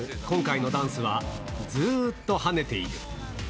今回のダンスは、ずっと跳ねている。